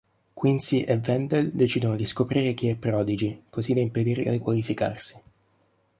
Quincy e Wendell decidono di scoprire chi è Prodigy così da impedirle di qualificarsi.